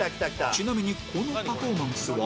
ちなみにこのパフォーマンスは